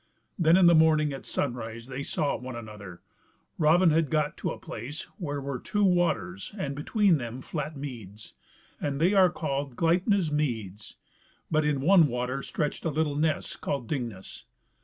Then in the morning at sun rise they saw one another. Raven had got to a place where were two waters, and between them flat meads, and they are called Gleipni's meads: but into one water stretched a little ness called Dingness.